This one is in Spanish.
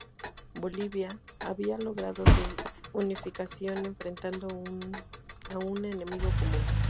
Bolivia había logrado su unificación enfrentando a un enemigo común.